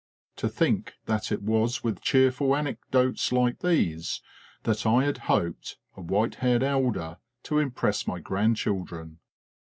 To think that it was with cheerful anecdotes like these that I had hoped, a white haired elder, to im press my grand children